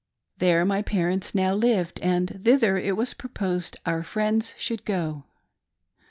There my parents now lived, and thither it was proposed our friends should go.